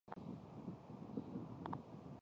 长臀鲃为鲤科长臀鲃属的鱼类。